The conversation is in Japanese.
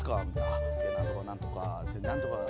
ああなんとかなんとかなんとか。